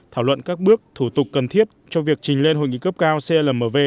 thảo luận các bước thủ tục cần thiết cho việc trình lên hội nghị cấp cao clmv